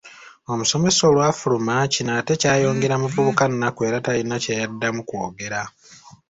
Omusomesa olwafuluma Kino ate kyayongera muvubuka nnaku era talina kyeyaddamu kwogera.